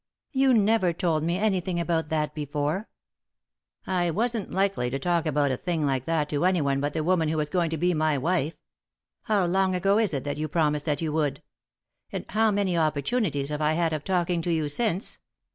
"You never told me anything about that before." " I wasn't likely to talk about a thing like that to anyone but the woman who was going to be my wife. How long ago is it that you promised that you would ? And how many opportunities have I had of talking to you since